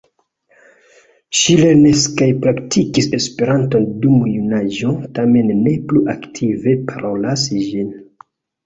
Ŝi lernis kaj praktikis Esperanton dum la junaĝo, tamen ne plu aktive parolas ĝin.